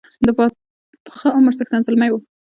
د پاخه عمر څښتن زلمی وو.